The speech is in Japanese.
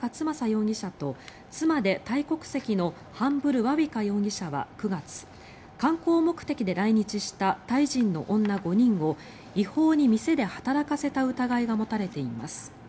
容疑者と妻でタイ国籍のハンブル・ワウィカ容疑者は９月観光目的で来日したタイ人の女５人を違法に店で働かせた疑いが持たれています。